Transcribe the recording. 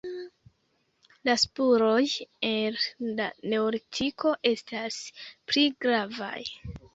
La spuroj el la neolitiko estas pli gravaj.